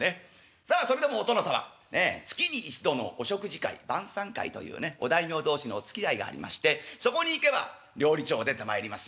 さあそれでもお殿様ねえ月に一度のお食事会晩餐会というねお大名同士のおつきあいがありましてそこに行けば料理長出てまいりますよ。